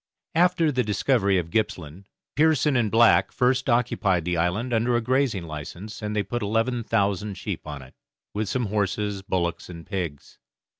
After the discovery of Gippsland, Pearson and Black first occupied the island under a grazing license, and they put eleven thousand sheep on it, with some horses, bullocks, and pigs.